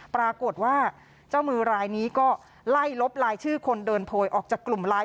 ปรากฏว่าเจ้ามือรายนี้ก็ไล่ลบรายชื่อคนเดินโพยออกจากกลุ่มไลน์